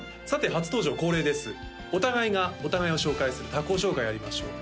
初登場恒例ですお互いがお互いを紹介する他己紹介やりましょう